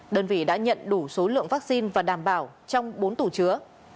đơn vị đã nhận đủ số lượng vaccine và đảm bảo trong bốn tủ chứa